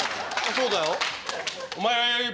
そうだよ。